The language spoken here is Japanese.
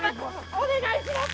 お願いします！